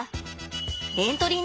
エントリー